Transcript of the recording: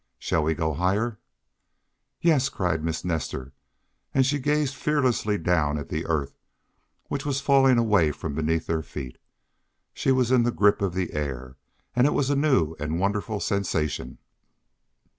"Shall we go higher?" "Yes!" cried Miss Nestor, and she gazed fearlessly down at the earth, which was falling away from beneath their feet. She was in the grip of the air, and it was a new and wonderful sensation.